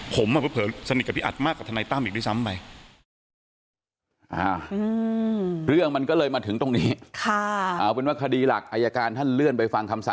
ผมเผลอสนิทกับพี่อัดมากกับทนายตั้มอีกด้วยซ้ำไปฟังคำ